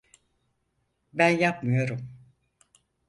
Ben yapmıyorum.